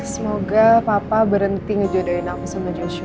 semoga papa berhenti ngejodohin aku sama joshua